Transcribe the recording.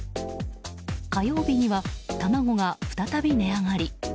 火曜日には卵が再び値上がり。